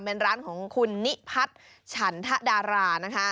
เป็นร้านของคุณนิพัฒน์ฉันทดารานะคะ